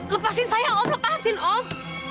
lepasin saya om lepasin om